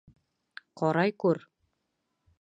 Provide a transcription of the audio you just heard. Ҡарай күр!